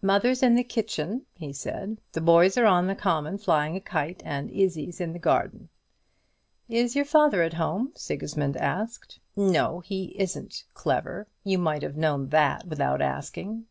"Mother's in the kitchen," he said; "the boys are on the common flying a kite, and Izzie's in the garden." "Is your father at home?" Sigismund asked. "No, he isn't, Clever; you might have known that without asking.